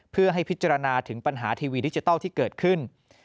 เพื่อให้พิจารณาถึงปัญหาทีวีดิจิทัลที่เกิดขึ้น